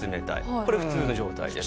これ普通の状態です。